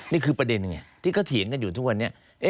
นี่คือประเด็นไงที่เขาเถียงกันอยู่ทุกวันนี้